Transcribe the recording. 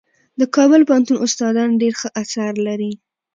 د کابل پوهنتون استادان ډېر ښه اثار لري.